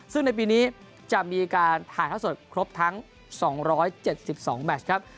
ซึ่งในปีนี้จะมีการถ่ายเท่าสดครบทั้ง๒๗๒แมชครับ